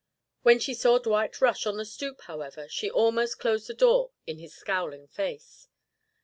When she saw Dwight Rush on the stoop, however, she almost closed the door in his scowling face.